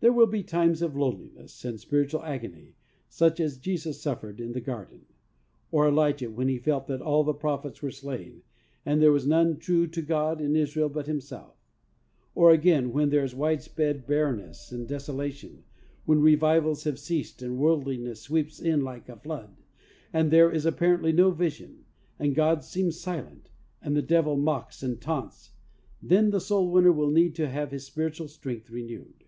There will be times of loneliness and spiritual agony such as Jesus suffered in the Garden, or Elijah when he felt that all the prophets were slain, and there was none true to God in Israel but himself. Or again, when there is widespread barrenness and desolation, when revivals have ceased, 88 THE SOUL winner's SECRET. and worldliness sweeps in like a flood, and there is apparently no vision^ and God seems silent, and the devil mocks and taunts, then the soul winner will need to have his spiritual strength renewed.